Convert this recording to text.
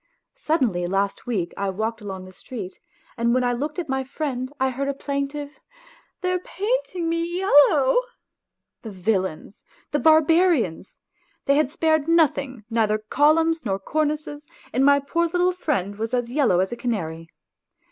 Suddenly last week I walked along the st i and when I looked at my friend. I heard a plaintive, " They are painting me yellow !" The villains ! The barbarians ! They had spared nothing, neither columns, nor cornices, and my poor little friend was as yellow as a canary.